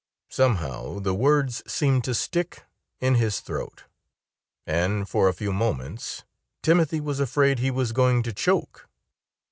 Somehow the words seemed to stick in his throat. And for a few moments Timothy was afraid he was going to choke.